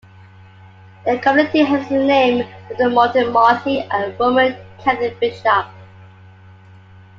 The community has the name of Martin Marty, a Roman Catholic bishop.